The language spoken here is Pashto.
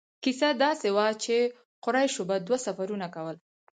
کیسه داسې وه چې قریشو به دوه سفرونه کول.